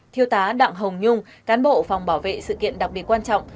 thiêu tá đặng hồng nhung cán bộ phòng bảo vệ sự kiện đặc biệt quan trọng